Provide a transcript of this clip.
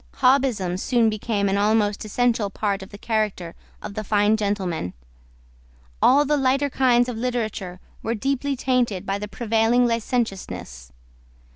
Hobbism soon became an almost essential part of the character of the fine gentleman. All the lighter kinds of literature were deeply tainted by the prevailing licentiousness.